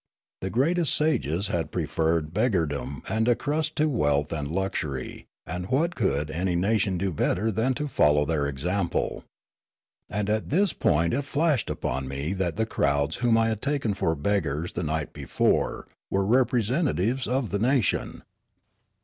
The greatest sages had pre ferred beggardom and a crust to wealth and luxury, and what could any nation do better than to follow their example ? And at this point it flashed upon me that the crowds whom I had taken for beggars the night before were representatives of the nation.